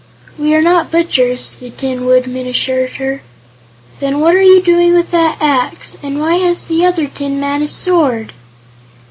"We are not butchers," the Tin Woodman assured her. "Then what are you doing with that axe? And why has the other tin man a sword?"